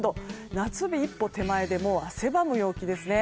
夏日一歩手前で汗ばむ陽気です。